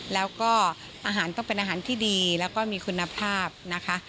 แล้วก็อาหารต้องเป็นอาหารที่ดีแล้วก็มีคุณภาพนะคะ